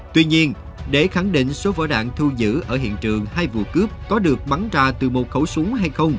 tuy nhiên để khẳng định số vỏ đạn thu giữ ở hiện trường hai vụ cướp có được bắn ra trong thời gian này